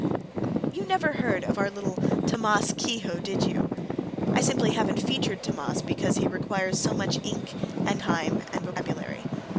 You never heard of our little Tammas Kehoe, did you? I simply haven't featured Tammas because he requires so much ink and time and vocabulary.